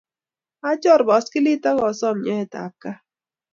achor poskilit akasom nyoet ap kaat.